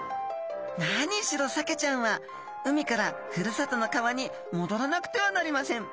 何しろサケちゃんは海からふるさとの川にもどらなくてはなりません。